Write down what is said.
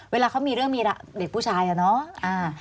เวลาเขามีเรื่องมีเด็กผู้ชายอะเนาะ